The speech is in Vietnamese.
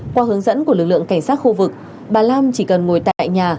qua hướng dẫn của lực lượng cảnh sát khu vực bà lam chỉ cần ngồi tại nhà